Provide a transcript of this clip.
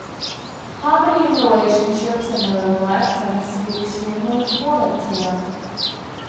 Harmony in relationships and home life tends to be extremely important to them.